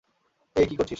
এই, কী করছিস।